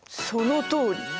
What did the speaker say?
そのとおり！